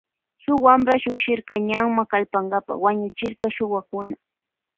Shun wampra llukshirka ñanma kallpankapa wañuchirka shuwakuna.